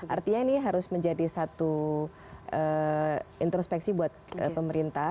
artinya ini harus menjadi satu introspeksi buat pemerintah